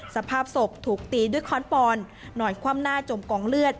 สภาพศพถูกตีด้วยค้อนปอนนอนคว่ำหน้าจมกองเลือด